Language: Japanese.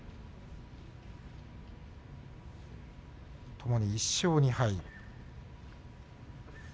ともに１勝２敗。